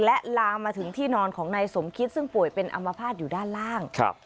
และลามมาถึงที่นอนของนายสมคิดซึ่งป่วยเป็นอัมพาตอยู่ด้านล่าง